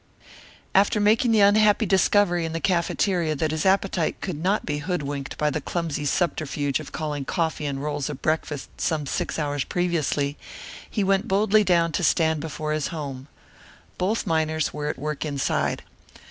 After making the unhappy discovery in the cafeteria that his appetite could not be hoodwinked by the clumsy subterfuge of calling coffee and rolls a breakfast some six hours previously, he went boldly down to stand before his home. Both miners were at work inside.